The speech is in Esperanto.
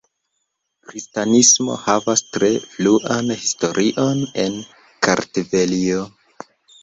Kristanismo havas tre fruan historion en Kartvelio.